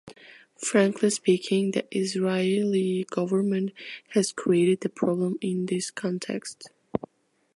Frankly speaking, the Israeli Government has created the problem in this context.